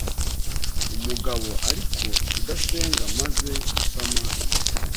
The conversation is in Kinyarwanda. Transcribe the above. umugabo ariko udasenga, maze gusama inda